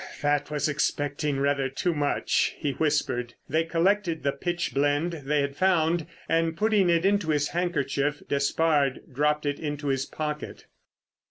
"That was expecting rather too much," he whispered. They collected the pitch blende they had found, and putting it into his handkerchief Despard dropped it into his pocket.